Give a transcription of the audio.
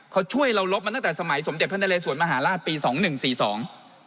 เขาช่วยเราลบมาตั้งแต่สมัยสมเด็จพระนเรสวนมหาราชปีสองหนึ่งสี่สอง